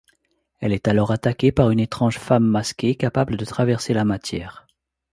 Elle est alors attaquée par une étrange femme masquée capable de traverser la matière.